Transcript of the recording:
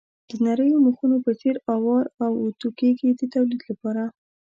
د نریو مخونو په څېر اوار او اتو کېږي د تولید لپاره.